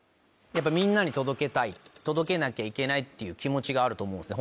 みんなに届けたい届けなきゃいけないっていう気持ちがあると思うんですね